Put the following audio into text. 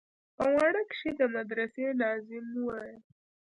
په واڼه کښې د مدرسې ناظم ويل.